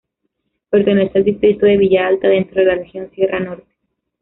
Pertenece al distrito de Villa Alta, dentro de la región Sierra Norte.